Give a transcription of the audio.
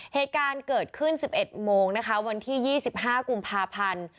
เหตุการณ์เกิดขึ้น๑๑โมงนะคะวันที่๒๕กุมภาพันธ์